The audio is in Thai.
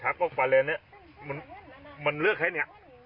ชาขอกปาเลนเนี่ยมันเลือกแค่นี้